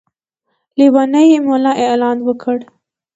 لېونی ملا اعلان وکړ.